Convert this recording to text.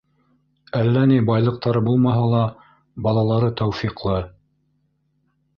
Әллә ни байлыҡтары булмаһа ла, балалары тәүфиҡлы.